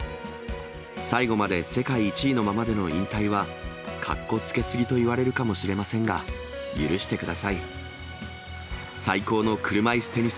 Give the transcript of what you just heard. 最後まで世界１位のままでの引退は、かっこつけすぎと言われるかもしれませんが、許してください。